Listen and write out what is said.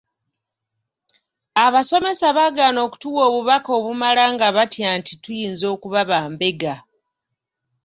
Abasomesa baagaana okutuwa obubaka obumala nga batya nti tuyinza okuba bambega.